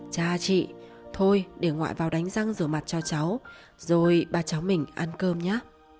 cha chị thôi để ngoại vào đánh răng rửa mặt cho cháu rồi ba cháu mình ăn cơm nhá